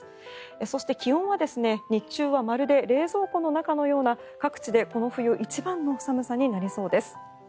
そして、気温は日中はまるで冷蔵庫の中のような各地でこの冬一番の寒さになりそうです。